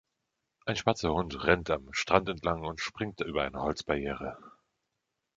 Ein schwarzer Hund rennt am Strand entlang und springt über eine Holzbarriere.